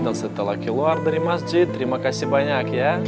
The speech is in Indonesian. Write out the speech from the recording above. dan setelah keluar dari masjid terima kasih banyak ya